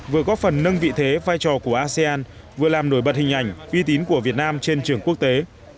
vừa góp phần nâng vị thế vai trò của asean vừa làm nổi bật hình ảnh uy tín của việt nam trên trường quốc tế